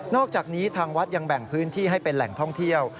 อกจากนี้ทางวัดยังแบ่งพื้นที่ให้เป็นแหล่งท่องเที่ยว